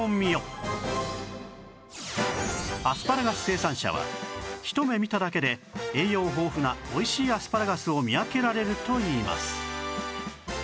アスパラガス生産者はひと目見ただけで栄養豊富なおいしいアスパラガスを見分けられるといいます